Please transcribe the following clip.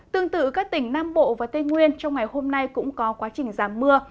tương tự các tỉnh nam bộ và tây nguyên trong ngày hôm nay cũng có quá trình giảm mưa